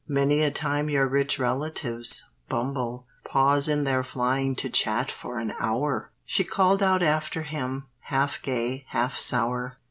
Many a time your rich relatives, Bumble, Pause in their flying to chat for an hour!" She called out after him, half gay, half sour.